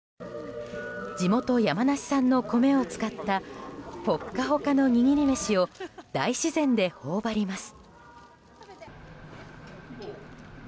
地元・山梨産の米を使ったホカホカの握り飯を大自然で頬張ります。